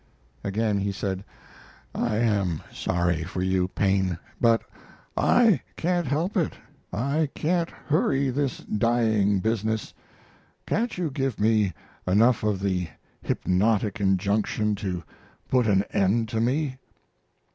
Again he said: "I am sorry for you, Paine, but I can't help it I can't hurry this dying business. Can't you give me enough of the hypnotic injunction to put an end to me?"